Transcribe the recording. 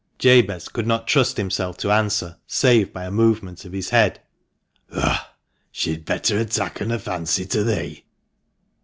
Jabez could not trust himself to answer save by a movement of his head. "Ugh! she'd better ha' takken a fancy to thee!"